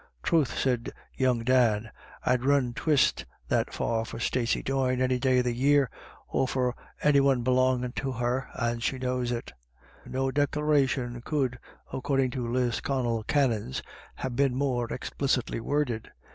u Troth," said young Dan, u I'd run twyst that far for Stacey Doyne any day of the year, or for any one belongin' to her. And she knows it." No declaration could, according to Lisconnel canons, have been more explicitly worded.